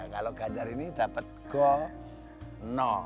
kalau ganjar ini dapat go no